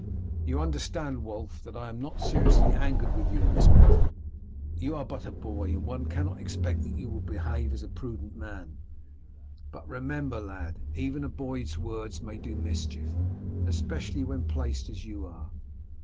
You understand, Wulf, that I am not seriously angered with you in this matter. You are but a boy, and one cannot expect that you will behave as a prudent man; but remember, lad, even a boy's words may do mischief, especially when placed as you are.